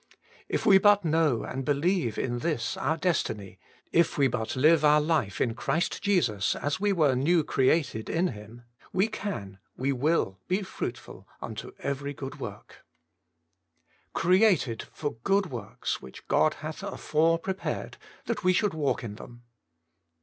If we but know and believe in this our destiny, if we but live our life in Christ Jesus, as we were new created in Him, we can, we will, be fruitful unto every good work. Working for God 53 * Created for good works, which God hath afore prepared that we should walk in them.'